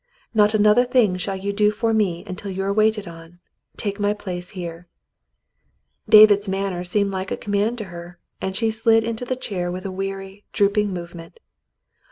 "Not another thing shall you do for me until you are waited on. Take my place here." •David's manner seemed like a command to her, and she slid into the chair with a weary, drooping movement.